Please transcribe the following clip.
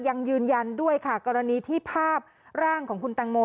ยังยืนยันด้วยค่ะกรณีที่ภาพร่างของคุณตังโม